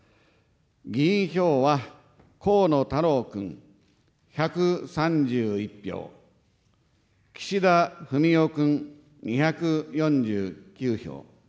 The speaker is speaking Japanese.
議員票は河野太郎君１３１票、岸田文雄君２４９票。